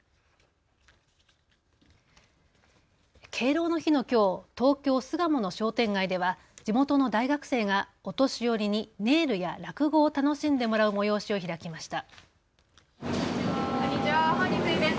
敬老の日のきょう、東京巣鴨の商店街では地元の大学生がお年寄りにネイルや落語を楽しんでもらう催しを開きました。